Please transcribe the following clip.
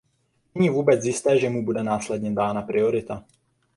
Není vůbec jisté, že mu bude následně dána priorita.